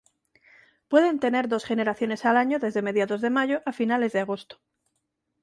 Pueden tener dos generaciones al año desde mediados de mayo a finales de agosto.